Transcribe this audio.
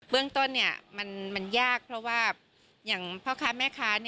เรื่องต้นมันยากเพราะว่าอย่างพ่อค้าแม่ค้า